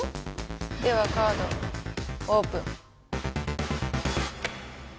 ではカードオープン。